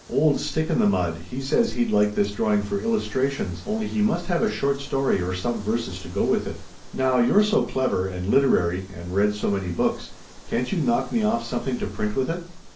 "Old ' Stick in the Mud' he says he'd like this drawing for Illustrations, only he must have a short story or some verses to go with it. Now, you're so 134 ) THE STORY OF A MODERN WOMAN. elever, and literary, and read so many books, can't you knock me off something to print with it?"